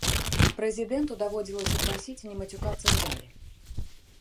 Прэзідэнту даводзілася прасіць не мацюкацца ў зале.